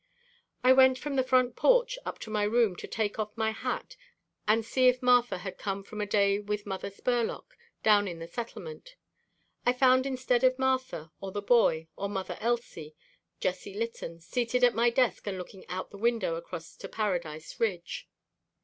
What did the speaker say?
I went from the front porch up to my room to take off my hat and see if Martha had come from a day with Mother Spurlock down in the Settlement. I found instead of Martha or the boy or Mother Elsie, Jessie Litton seated at my desk and looking out the window across to Paradise Ridge.